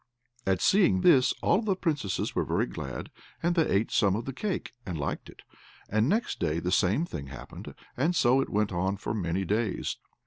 At seeing this all the Princesses were very glad, and they ate some of the cake, and liked it; and next day the same thing happened, and so it went on for many days.